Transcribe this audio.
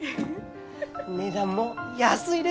値段も安いですよ！